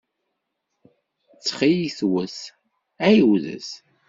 Ttxil-wet ɛiwdet.